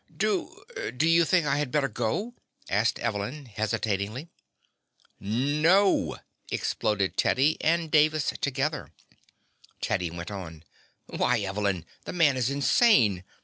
"Do do you think I had better go?" asked Evelyn hesitatingly. "No!" exploded Teddy and Davis together. Teddy went on: "Why, Evelyn, the man is insane!